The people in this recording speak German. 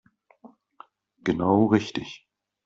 Genau richtig.